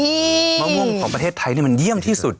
มะม่วงของประเทศไทยมันเยี่ยมที่สุด